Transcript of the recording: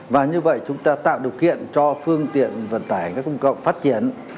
và như vậy chúng ta tạo điều kiện cho phương tiện vận tải khách công cộng phát triển